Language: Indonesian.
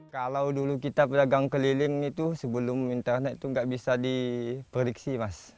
kalau dulu kita pedagang keliling itu sebelum internet itu nggak bisa di prediksi